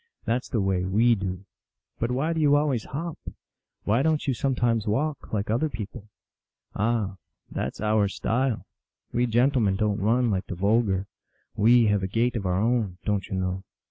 That s the way we do." " But why do you always hop ? Why don t you sometimes walk, like other people ?"" Ah, that s our style. We gentlemen don t run, like the vulgar. We have a gait of our own, don t you know